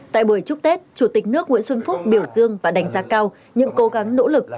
tại buổi chúc tết chủ tịch nước nguyễn xuân phúc biểu dương và đánh giá cao những cố gắng nỗ lực